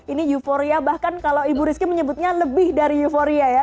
ini euforia bahkan kalau ibu rizky menyebutnya lebih dari euforia ya